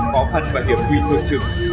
có phần và hiểm duy thừa chừng